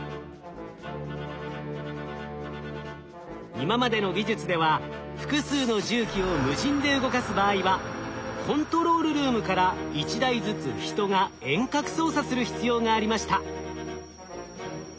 今までの技術では複数の重機を無人で動かす場合はコントロールルームから１台ずつ人が遠隔操作する必要がありました。